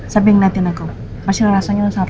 sambil ngeliatin aku masih rasanya sangat